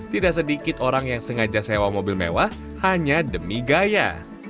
tidak sedikit orang yang sengaja sewa mobil mewah hanya demi gaya